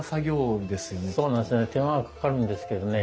手間がかかるんですけどね